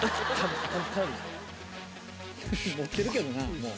持ってるけどもう。